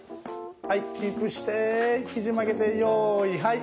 キープしてひじ曲げてよいはい。